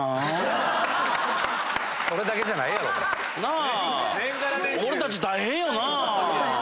それだけじゃないやろ⁉なあ！